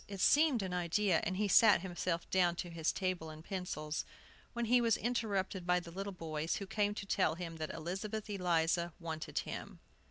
It seemed an idea; and he sat himself down to his table and pencils, when he was interrupted by the little boys, who came to tell him that Elizabeth Eliza wanted him.